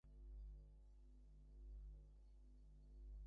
এ বিধায় মাংসাশীরা ভয়ে মাংসাহার ছাড়তে চায় না।